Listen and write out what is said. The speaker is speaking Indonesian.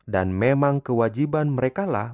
dan memang kewajiban mereka lah